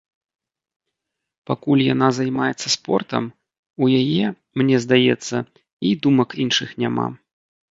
Пакуль яна займаецца спортам, у яе, мне здаецца, і думак іншых няма.